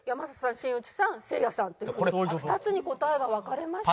新内さんせいやさんというふうに２つに答えが分かれました。